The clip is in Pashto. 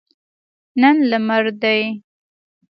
نن لمر دی